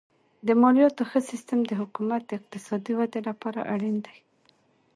د مالیاتو ښه سیستم د حکومت د اقتصادي ودې لپاره اړین دی.